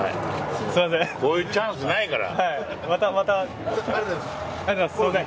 こういうチャンスないから。